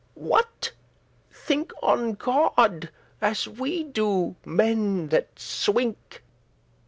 What? think on God, as we do, men that swink.